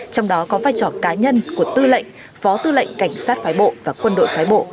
trong đó có vai trò cá nhân của tư lệnh phó tư lệnh cảnh sát phái bộ và quân đội phái bộ